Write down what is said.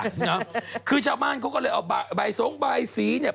นะคือชาวบ้านเขาก็เลยเอาใบสงใบสีเนี่ย